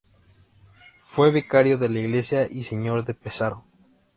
Fue vicario de la Iglesia y Señor de Pesaro.